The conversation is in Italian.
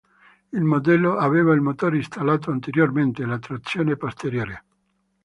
Il modello aveva il motore installato anteriormente e la trazione posteriore.